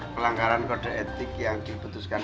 pelanggaran kode etik yang diputuskan